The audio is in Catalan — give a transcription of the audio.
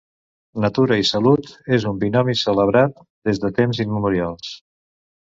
Natura i salut és un binomi celebrat des de temps immemorials.